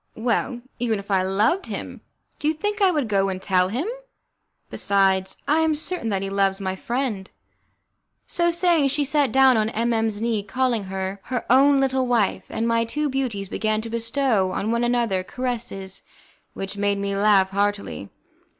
"Well, even if I loved him, do you think I would go and tell him? Besides, I am certain that he loves my friend." So saying, she sat down on M M 's knee, calling her her own little wife, and my two beauties began to bestow on one another caresses which made me laugh heartily.